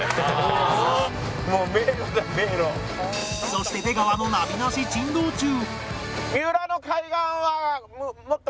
そして出川のナビなし珍道中